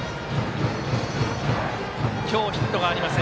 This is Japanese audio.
今日ヒットがありません